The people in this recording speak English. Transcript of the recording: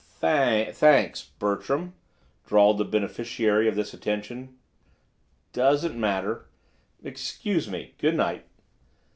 "Tha—a—anks, Bertram," drawled the beneficiary of this attention. "Doesn't matter. Excuse me. Good night."